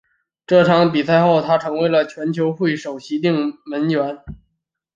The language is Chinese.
这场比赛后他成为了球会的首席定门员。